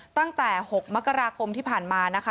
ตั้งแต่๖มกราคมที่ผ่านมานะคะ